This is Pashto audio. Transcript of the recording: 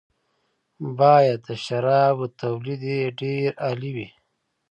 باید د شرابو تولید یې ډېر عالي وي.